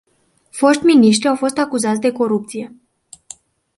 Foști miniștri au fost acuzați de corupție.